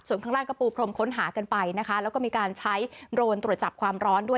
ส่วนข้างล่างก็ปูพรมค้นหากันไปนะคะแล้วก็มีการใช้โดรนตรวจจับความร้อนด้วย